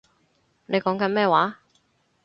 你講緊咩話